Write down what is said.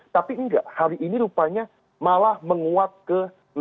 tapi enggak hari ini rupanya malah menguat ke enam